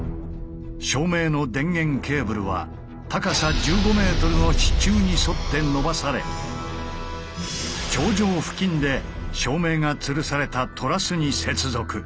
照明の電源ケーブルは高さ１５ｍの支柱に沿って伸ばされ頂上付近で照明がつるされたトラスに接続。